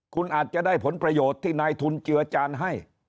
คุณอาจจะได้ผลประโยชน์ที่นายทุนเจือจานให้